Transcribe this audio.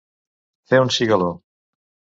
Fer un cigaló.